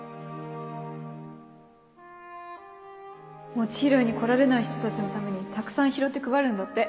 餅拾いに来られない人たちのためにたくさん拾って配るんだって